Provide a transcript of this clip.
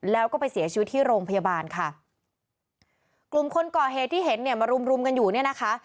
แล้วก็ไปเสียชีวิตที่โรงพยาบาลค่ะกลุ่มคนก่อเหตุที่เห็นเนี่ยมารุมรุมกันอยู่เนี่ยนะคะ